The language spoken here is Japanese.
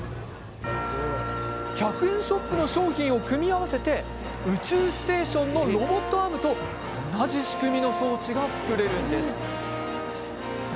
１００円ショップの商品を組み合わせて宇宙ステーションのロボットアームと同じ仕組みの装置が作れるんです。